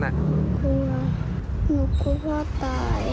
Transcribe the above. คือหนูกลัวพ่อตาย